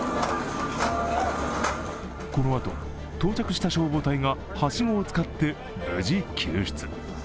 このあと到着した消防隊がはしごを使って無事救出。